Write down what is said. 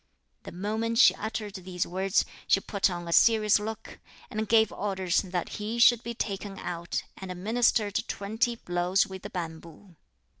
The moment she uttered these words, she put on a serious look, and gave orders that he should be taken out and administered twenty blows with the bamboo.